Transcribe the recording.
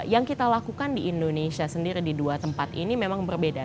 yang kita lakukan di indonesia sendiri di dua tempat ini memang berbeda